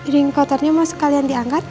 ring kotornya mau sekalian diangkat